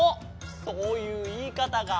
そういういいかたがあるの。